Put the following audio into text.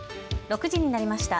６時になりました。